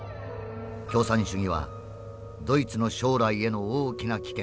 共産主義はドイツの将来への大きな危険である。